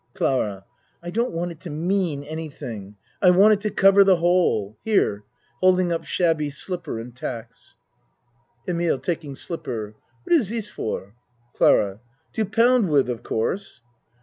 CLARA I don't want it to mean anything. I want it to cover the hole. Here (Holding up shabby slipper and tacks.) EMILE (Taking slipper.) What is zis for? CLARA To pound with, of course.